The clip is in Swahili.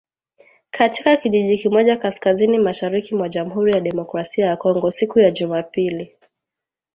Katika kijiji kimoja kaskazini-mashariki mwa Jamuhuri ya Kidemokrasia ya Kongo ,siku ya Jumapili